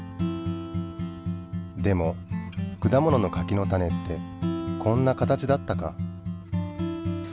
でも果物の柿の種ってこんな形だったか？